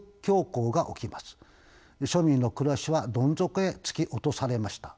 庶民の暮らしはどん底へ突き落とされました。